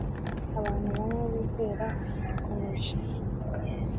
Abantu bamwe bizera bakomeje